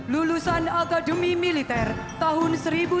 lulusan akademi militer tahun dua ribu satu